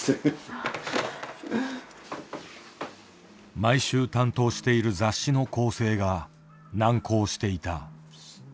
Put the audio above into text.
毎週担当している雑誌の校正が難航していた。